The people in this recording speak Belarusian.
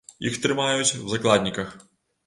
Іх трымаюць у закладніках.